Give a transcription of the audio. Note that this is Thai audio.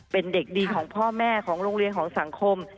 เป็นเด็กดีของพ่อแม่ของโรงเรียนของสังคม